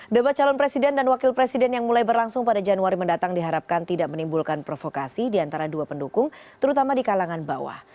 debat calon presiden dan wakil presiden yang mulai berlangsung pada januari mendatang diharapkan tidak menimbulkan provokasi di antara dua pendukung terutama di kalangan bawah